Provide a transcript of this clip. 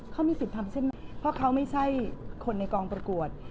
เค้ามีผิดทำเช่นนั้นเพราะเค้าไม่ใช่คนในกองปรากวด